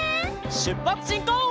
しゅっぱつしんこう！